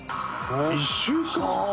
「１週間！？」